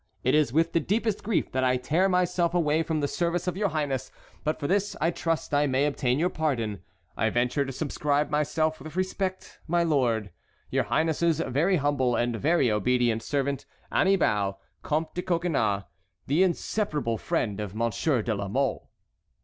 It is with the deepest grief that I tear myself away from the service of your highness, but for this I trust I may obtain your pardon. I venture to subscribe myself with respect, my lord, "Your highness's very humble and very obedient servant, "Annibal, Comte de Coconnas, "The inseparable friend of Monsieur de la Mole."